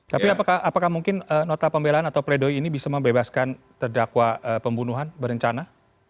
tapi apakah mungkin nota pembelaan atau pledoi ini bisa membebaskan terdakwa pembunuhan berencana